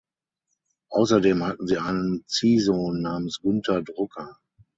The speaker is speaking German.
Außerdem hatten sie einen Ziehsohn namens Günther Drucker.